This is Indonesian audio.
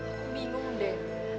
aku bingung deh